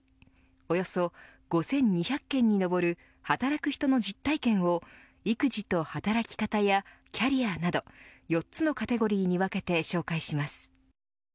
およそ５２００件に上る働く人の実体験を育児と働き方やキャリアなど４つのカテゴリに分けて紹介します。